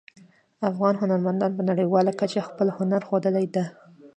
افغان هنرمندانو په نړیواله کچه خپل هنر ښودلی ده